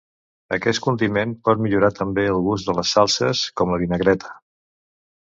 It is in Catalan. Aquest condiment pot millorar també el gust de les salses com la vinagreta.